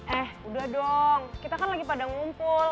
eh udah dong kita kan lagi pada ngumpul